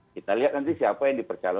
kita lihat nanti siapa yang dipercaya